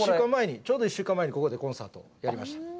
ちょうど１週間前に、ここでコンサートをやりました。